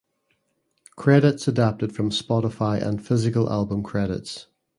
Credits adapted from Spotify and physical album credits.